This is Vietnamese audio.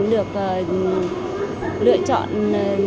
được lựa chọn